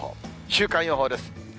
週間予報です。